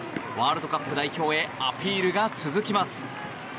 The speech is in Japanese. ワールドカップ代表へアピールが続きます。